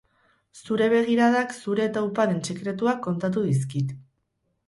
Zure begiradak zure taupaden sekretuak kontatu dizkit.